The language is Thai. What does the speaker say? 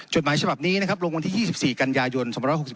จดหมายฉบับนี้นะครับลงวันที่๒๔กันยายน๒๖๖